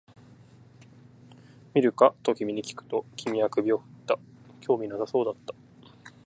見るかと君にきくと、君は首を振った、興味なさそうだった